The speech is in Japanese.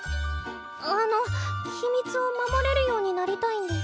あの秘密を守れるようになりたいんです。